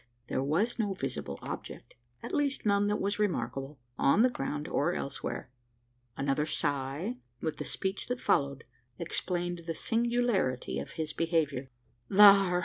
There was no visible object at least, none that was remarkable on the ground, or elsewhere! Another sigh, with the speech that followed, explained the singularity of his behaviour, "Thar!"